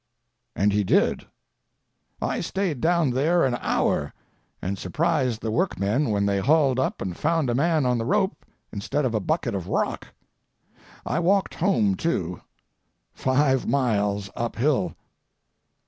And he did. I stayed down there an hour, and surprised the workmen when they hauled up and found a man on the rope instead of a bucket of rock. I walked home, too—five miles up hill.